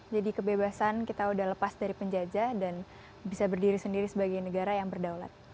jadi kebebasan kita udah lepas dari penjajah dan bisa berdiri sendiri sebagai negara yang berdaulat